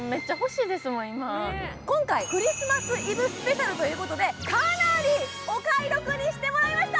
今回クリスマスイブスペシャルということでかなりお買い得にしてもらいました！